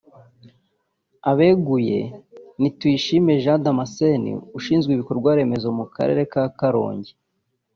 Abeguye ni Tuyishime Jean Damascene ushinzwe ibikorwa remezo mu karere ka Karongi